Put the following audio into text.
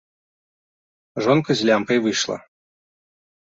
Жонка з лямпай выйшла.